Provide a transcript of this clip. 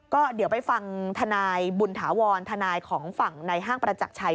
ก็เดี๋ยวไปฟังทนายบุญถาวรทนายของฝั่งในห้างประจักรชัย